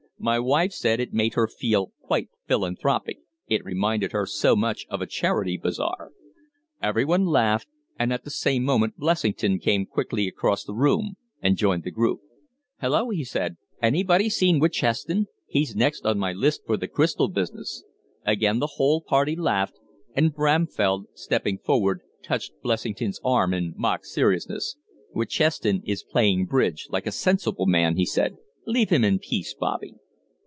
My wife said it made her feel quite philanthropic, it reminded her so much of a charity bazaar." Everybody laughed; and at the same moment Blessington came quickly across the room and joined the group. "Hallo!" he said. "Anybody seen Witcheston? He's next on my list for the crystal business." Again the whole party laughed, and Bramfell, stepping forward, touched Blessington's arm in mock seriousness. "Witcheston is playing bridge, like a sensible man," he said. "Leave him in peace, Bobby."